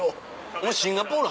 お前シンガポール